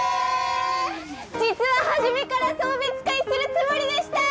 実は初めから送別会するつもりでしたー！